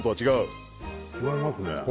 違いますね